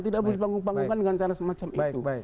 tidak dibangun bangun dengan cara semacam itu